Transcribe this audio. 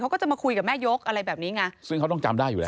เขาก็จะมาคุยกับแม่ยกอะไรแบบนี้ไงซึ่งเขาต้องจำได้อยู่แล้ว